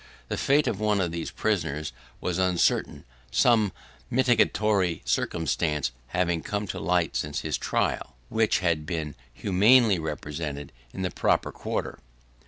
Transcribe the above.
The fate of one of these prisoners was uncertain; some mitigatory circumstances having come to light since his trial, which had been humanely represented in the proper quarter.